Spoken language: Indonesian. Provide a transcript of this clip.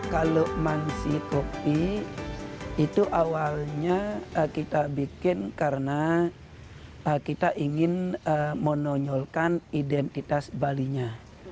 kalau mangsi kopi itu awalnya kita bikin karena kita ingin menonjolkan identitas balinya